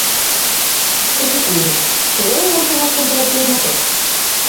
Teresa Cuíñas, choveu e baixaron as temperaturas na costa?